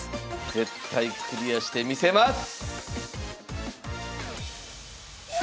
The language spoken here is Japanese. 絶対クリアしてみせます！